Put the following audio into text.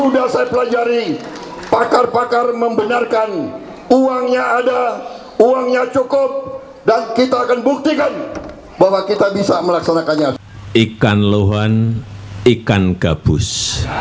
direndam dulu baru direbus